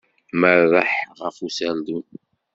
Merreḥ ɣef userdun.